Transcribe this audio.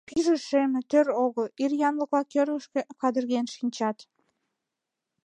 Пӱйжӧ шеме, тӧр огыл, ир янлыкынла кӧргышкӧ кадырген шинчат.